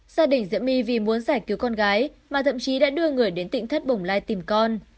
gia đình diễm my vì muốn giải cứu con gái mà thậm chí đã đưa người đến tỉnh thất bồng lai tìm con